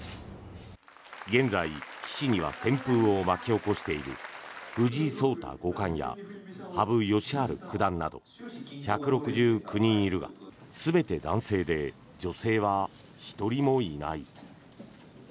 現在、棋士には旋風を巻き起こしている藤井聡太五冠や羽生善治九段など１６９人いるが全て男性で女性は１人もいない。